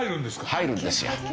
入るんですよ。